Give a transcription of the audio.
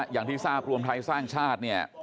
อย่างที่ทราบรวมไทยสร้างชาติเนี่ย